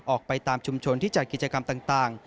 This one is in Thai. ออกไปตามชุมชนที่จัดกิจกรรมต่าง